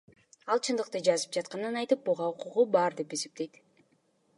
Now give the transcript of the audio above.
Ал чындыкты жазып жатканын айтып, буга укугу бар деп эсептейт.